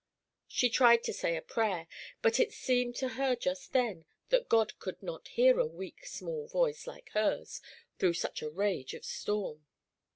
She tried to say a prayer, but it seemed to her just then that God could not hear a weak, small voice like hers through such a rage of storm.